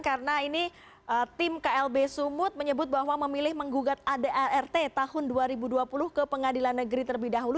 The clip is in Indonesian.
karena ini tim klb sumut menyebut bahwa memilih menggugat adrt tahun dua ribu dua puluh ke pengadilan negeri terlebih dahulu